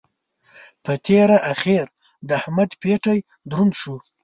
په تېره اخېر د احمد پېټی دروند شو.